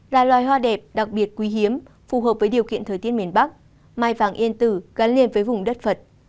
là loài hoa đẹp đặc biệt quý hiếm phù hợp với điều kiện thời tiết miền bắc mai vàng yên tử gắn liền với vùng đất phật